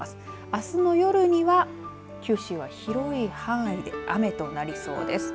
あすの夜には九州は広い範囲で雨となりそうです。